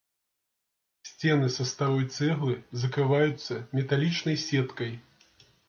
Сцены са старой цэглы закрываюцца металічнай сеткай.